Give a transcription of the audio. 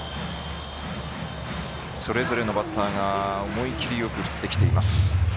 それぞれのバッターが思い切りよく振ってきています。